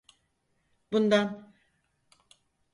Bundan.